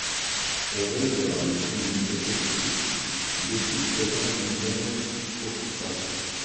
Au regard des fouilles effectuées, le site présente une longue occupation.